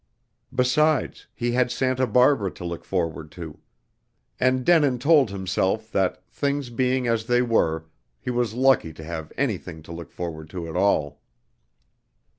Besides, he had Santa Barbara to look forward to; and Denin told himself that, things being as they were, he was lucky to have anything to look forward to at all.